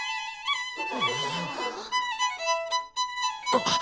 あっ！